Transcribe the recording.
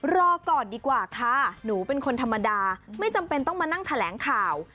รอก่อนดีกว่าค่ะหนูเป็นคนธรรมดาไม่จำเป็นต้องมานั่งแถลงข่าว